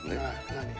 何？